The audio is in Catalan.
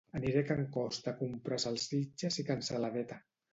Aniré a can Costa a comprar salsitxes i cansaladeta